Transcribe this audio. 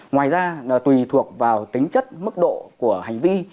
ngoài ra tùy thuộc vào tính chất mức độ của hành vi